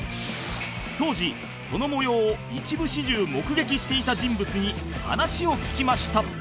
当時その模様を一部始終目撃していた人物に話を聞きました